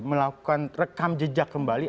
dan lakukan rekam jejak kembali